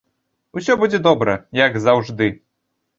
Усё будзе добра, як заўжды!